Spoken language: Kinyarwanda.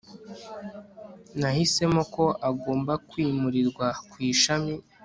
nahisemo ko agomba kwimurirwa ku ishami